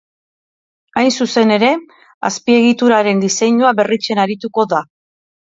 Hain zuzen ere, azpiegituraren diseinua berritzen arituko da.